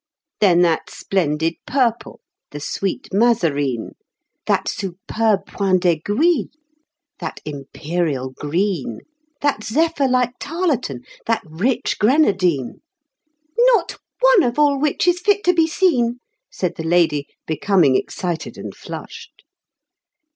"Then that splendid purple, the sweet Mazarine; That superb point d'aiguille, that imperial green, That zephyr like tarletan, that rich grenadine" "Not one of all which is fit to be seen," Said the lady, becoming excited and flushed.